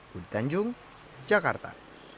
budi tanjung jakarta